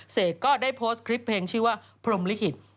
เสกก็ได้โพสต์คลิปเพลงชื่อว่าพรมลิขิต